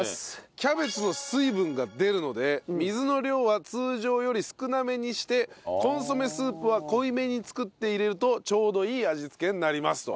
キャベツの水分が出るので水の量は通常より少なめにしてコンソメスープは濃いめに作って入れるとちょうどいい味付けになりますと。